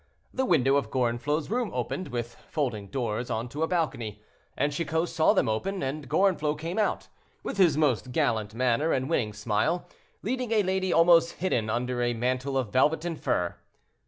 The window of Gorenflot's room opened with folding doors on to a balcony, and Chicot saw them open, and Gorenflot come out, with his most gallant manner and winning smile, leading a lady almost hidden under a mantle of velvet and fur.